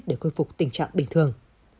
để khôi phục tình trạng bình thường